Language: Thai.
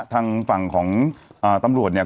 ทางฝั่งของตำรวจเนี่ย